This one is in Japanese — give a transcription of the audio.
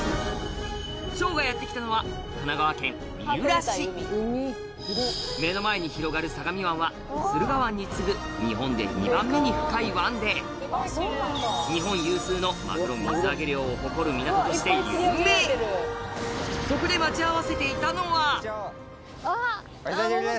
しょうがやって来たのは目の前に広がる相模湾は駿河湾に次ぐ日本で２番目に深い湾で日本有数のマグロ水揚げ量を誇る港として有名そこでお久しぶりです。